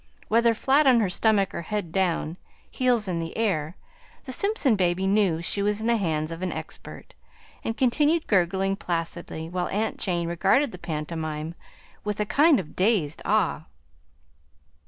Whether flat on her stomach, or head down, heels in the air, the Simpson baby knew she was in the hands of an expert, and continued gurgling placidly while aunt Jane regarded the pantomime with a kind of dazed awe.